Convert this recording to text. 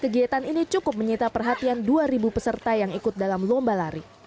kegiatan ini cukup menyita perhatian dua peserta yang ikut dalam lomba lari